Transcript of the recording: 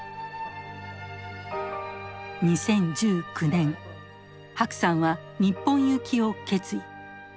２０１９年白さんは日本行きを決意。